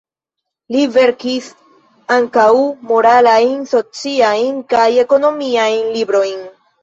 Li verkis ankaŭ moralajn, sociajn kaj ekonomiajn librojn.